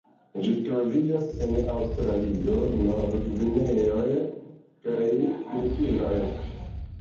Ĝi troviĝas en Aŭstralio, Nov-Gvineo kaj Filipinoj.